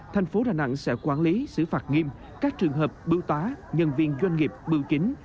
thành phố đà nẵng sẽ quản lý xử phạt nghiêm các trường hợp bưu tá nhân viên doanh nghiệp bưu chính